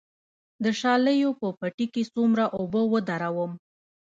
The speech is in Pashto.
د شالیو په پټي کې څومره اوبه ودروم؟